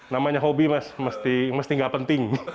namanya hobi mas mesti nggak penting